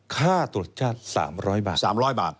ค่าตรวจสัญชาติ๓๐๐บาท